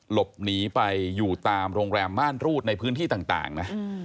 หลบหนีไปอยู่ตามโรงแรมม่านรูดในพื้นที่ต่างนะ